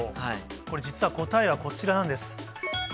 これ、実は答えはこちらなんです。